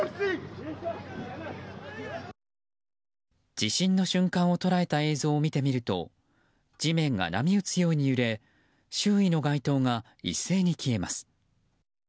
地震の瞬間を捉えた映像を見てみると地面が波打つように揺れ周囲の街灯が一斉に消えます。